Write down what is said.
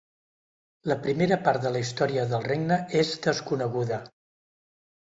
La primera part de la història del regne és desconeguda.